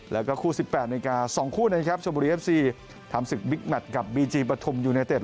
แล้วก็คู่๑๘นาฬิกา๒คู่นะครับชมบุรีเอฟซีทำศึกบิ๊กแมทกับบีจีปฐุมยูเนเต็ด